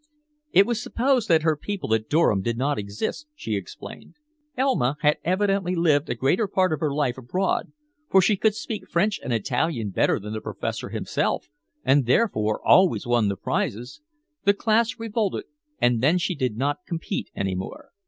"It was supposed that her people at Durham did not exist," she explained. "Elma had evidently lived a greater part of her life abroad, for she could speak French and Italian better than the professor himself, and therefore always won the prizes. The class revolted, and then she did not compete any more.